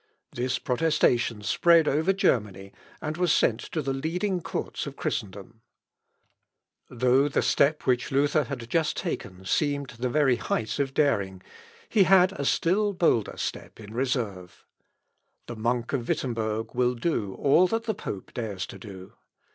This protestation spread over Germany, and was sent to the leading courts of Christendom. [Sidenote: MEANING OF THIS BOLD ACT.] Though the step which Luther had just taken seemed the very height of daring, he had a still bolder step in reserve. The monk of Wittemberg will do all that the pope dares to do.